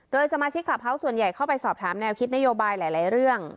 โดยสมาชิกคลาส์ส่วนใหญ่เข้าไปสอบถามแนวคิดนโยบายหลายเรื่อง